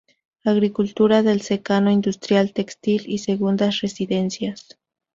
Agricultura de secano, industrial textil y segundas residencias.